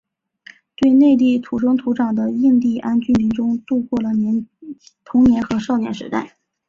在内地土生土长的印第安居民当中度过了童年和少年时代。